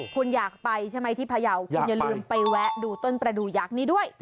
คุณอยากไปใช่ไหมที่พยาวคุณอย่าลืมไปแวะดูต้นประดูกยักษ์นี้ด้วย